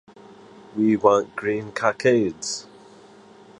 We want green cockades!